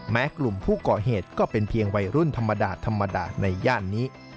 กลุ่มผู้ก่อเหตุก็เป็นเพียงวัยรุ่นธรรมดาธรรมดาในย่านนี้